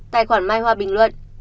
tài khoản mai hoa bình luận